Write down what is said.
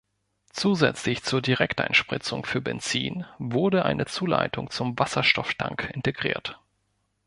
Zusätzlich zur Direkteinspritzung für Benzin wurde eine Zuleitung zum Wasserstoff-Tank integriert.